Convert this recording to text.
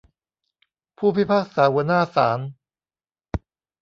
ผู้พิพากษาหัวหน้าศาล